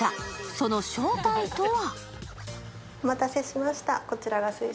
その正体とは？